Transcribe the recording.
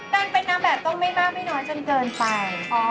นางเป็นนางแบบต้องไม่บ้าไม่น้อยจนเกินไป